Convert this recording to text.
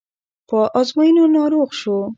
په ازموینو ناروغ شو.